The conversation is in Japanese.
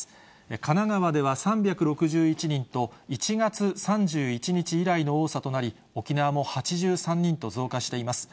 神奈川では３６１人と、１月３１日以来の多さとなり、沖縄も８３人と増加しています。